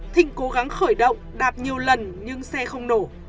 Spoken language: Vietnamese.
thịnh cố gắng khởi động đạp nhiều lần nhưng xe không nổ